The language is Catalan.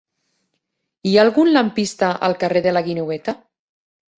Hi ha algun lampista al carrer de la Guineueta?